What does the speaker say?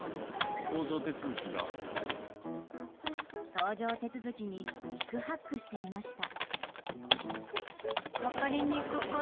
搭乗手続きに四苦八苦していました。